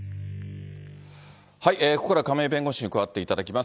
ここからは亀井弁護士に加わっていただきます。